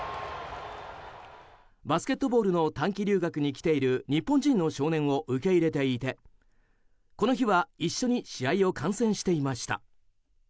バスケットボールの短期留学に来ている日本人の少年を受け入れていてこの日は一緒に試合を観戦していました。